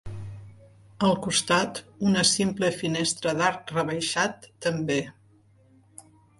Al costat una simple finestra d'arc rebaixat també.